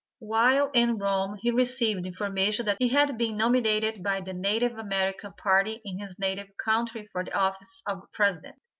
While in Rome he received information that he had been nominated by the Native American party in his native country for the office of President.